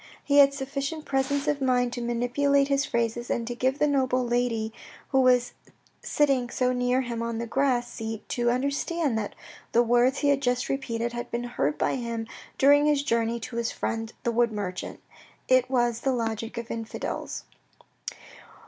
He had sufficient presence of THE FIRST DEPUTY 99 mind to manipulate his phrases, and to give the noble lady who was sitting so near him on the grass seat to understand that the words he had just repeated had been heard by him during his journey to his friend the wood merchant. It was the logic of infidels.